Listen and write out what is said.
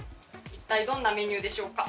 一体どんなメニューでしょうか？